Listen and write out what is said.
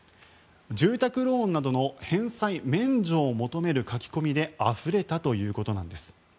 住宅ローンなどの返済免除を求める書き込みであふれたということなんです。